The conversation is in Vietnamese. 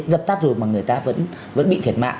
dập tắt rồi mà người ta vẫn bị thiệt mạng